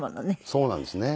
そうなんですね。